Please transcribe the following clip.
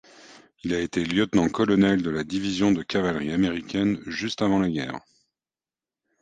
Il a été lieutenant-colonel de la Division de Cavalerie américaine juste avant la guerre.